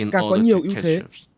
càng có nhiều ưu thế